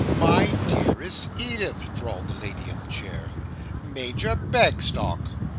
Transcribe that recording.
"My dearest Edith!" drawled the lady in the chair, "Major Bagstock!"